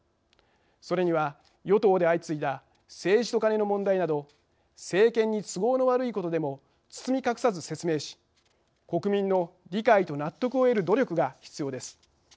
それには与党で相次いだ政治とカネの問題など政権に都合の悪いことでも包み隠さず説明し国民の理解と納得を得る努力が必要です。